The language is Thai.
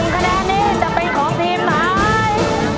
คะแนนนี้จะเป็นของทีมไหน